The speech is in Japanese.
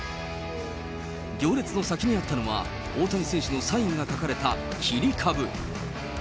行列の先にあったのは、大谷選手のサインが書かれた切り株。